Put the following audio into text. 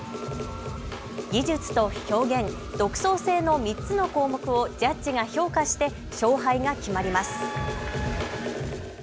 技術と表現、独創性の３つの項目をジャッジが評価して勝敗が決まります。